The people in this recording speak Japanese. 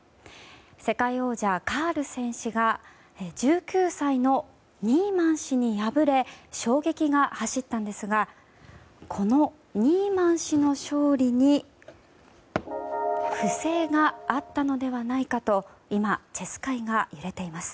世界王者カールセン氏が１９歳のニーマン氏に敗れ衝撃が走ったんですがこのニーマン氏の勝利に不正があったのではないかと今、チェス界が揺れています。